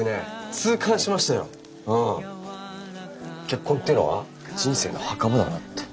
結婚っていうのは人生の墓場だなって。